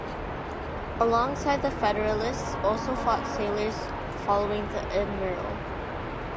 Alongside the Federalists also fought sailors following the admiral.